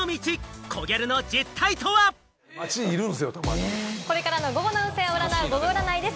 ニトリこれからの午後の運勢を占う、ゴゴ占いです。